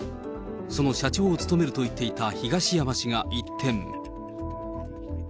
その社長を務めると言っていた東山氏が一転。